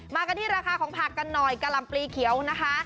มากันที่ราคาของผักกันหน่อยกะลำปลีเขียวนะคะ